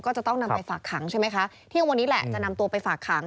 ก็จะต้องนำไปฝากขังใช่ไหมคะเที่ยงวันนี้แหละจะนำตัวไปฝากขัง